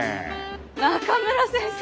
中村先生！